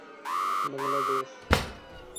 بنگلہ دیش